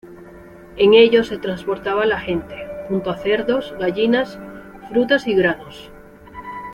En ellos se transportaba la gente, junto a cerdos, gallinas, frutas y granos.